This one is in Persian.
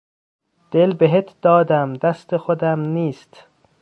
دل بهت دادم دست خودم نیست